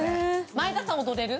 前田さん踊れる？